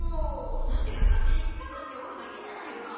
お主が勝手にひっかかっておるだけじゃないか。